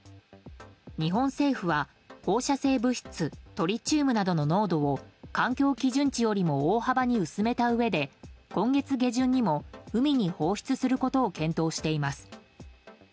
日本政府は放射性物質トリチウムなどの濃度を環境基準値よりも大幅に薄めたうえで今月下旬にも海に放出することを検討しています。